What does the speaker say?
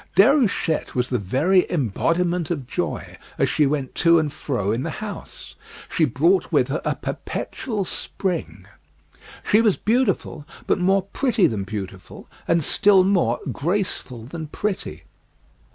Déruchette was the very embodiment of joy as she went to and fro in the house. She brought with her a perpetual spring. She was beautiful, but more pretty than beautiful; and still more graceful than pretty.